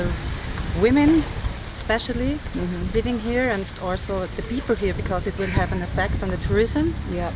terutama yang hidup di sini dan juga orang orang di sini karena ini akan memiliki efek pada turisme